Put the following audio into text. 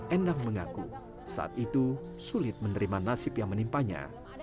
endang mengaku saat itu sulit menerima nasib yang menimpanya